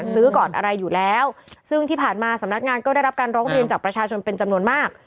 ซื้อก่อนอะไรอยู่แล้วซึ่งที่ผ่านมาสำนักงานก็ได้รับการร้องเรียนจากประชาชนเป็นจำนวนมาก